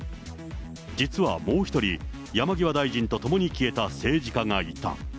実はもう１人、山際大臣と共に消えた政治家がいた。